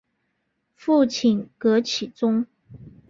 父亲戈启宗。